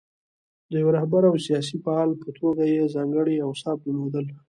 د یوه رهبر او سیاسي فعال په توګه یې ځانګړي اوصاف درلودل.